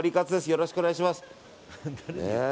よろしくお願いします。